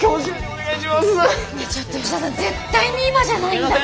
ねえちょっと吉田さん絶対に今じゃないんだけど！